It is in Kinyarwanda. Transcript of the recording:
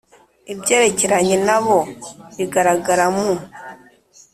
Ibyerekeranye nabo bigaragara mu